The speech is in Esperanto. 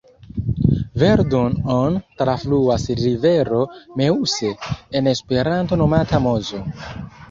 Verdun-on trafluas rivero Meuse, en Esperanto nomata Mozo.